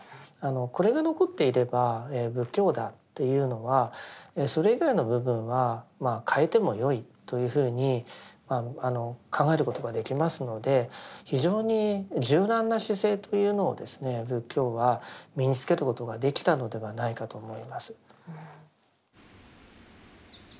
これが残っていれば仏教だというのはそれ以外の部分はまあ変えてもよいというふうに考えることができますので非常に柔軟な姿勢というのを仏教は身につけることができたのではないかと思います。